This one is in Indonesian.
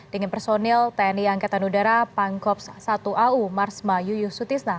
dengan personil tni angkatan udara pangkops satu au marsma yuyusutisna